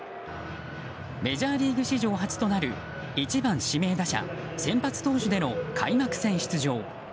メジャーリーグ史上初となる１番指名打者先発投手での開幕戦出場。